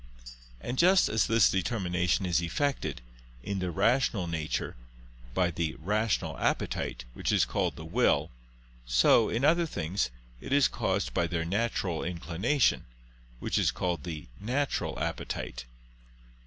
And just as this determination is effected, in the rational nature, by the "rational appetite," which is called the will; so, in other things, it is caused by their natural inclination, which is called the "natural appetite."